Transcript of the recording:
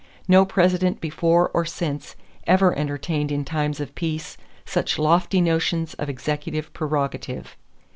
No President before or since ever entertained in times of peace such lofty notions of executive prerogative.